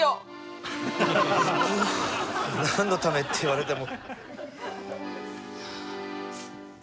えっと「何のため」って言われても。